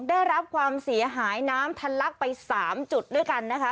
ได้รับความเสียหายน้ำทันลักไป๓จุดด้วยกันนะคะ